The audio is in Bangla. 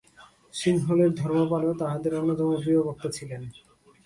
সিংহলের ধর্মপালও তাহাদের অন্যতম প্রিয় বক্তা ছিলেন।